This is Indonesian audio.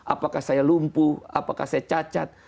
apakah saya lumpuh apakah saya cacat